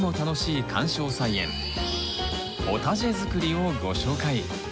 ポタジェ作りをご紹介。